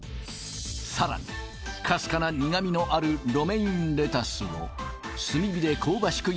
さらにかすかな苦みのあるロメインレタスを炭火で香ばしく